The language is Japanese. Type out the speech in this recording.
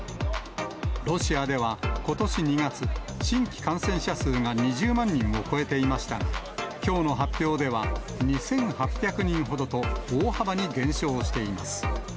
ロシアではことし２月、新規感染者数が２０万人を超えていましたが、きょうの発表では、２８００人ほどと大幅に減少しています。